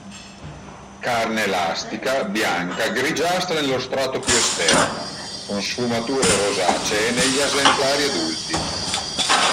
Carne elastica, bianca, grigiastra nello strato più esterno, con sfumature rosacee negli esemplari adulti.